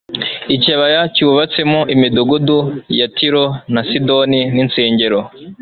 ikibaya cyubatsemo imidugudu ya Tiro na Sidoni n'insengero